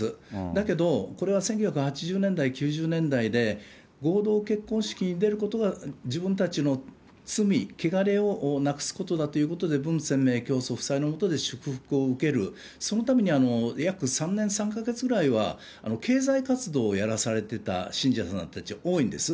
だけど、これは１９８０年代、９０年代で、合同結婚式に出ることは自分たちの罪、けがれをなくすことだということで、文鮮明教祖夫妻の下で祝福を受ける、そのために約３年３か月ぐらいは経済活動をやらされてた信者さんたち、多いんです。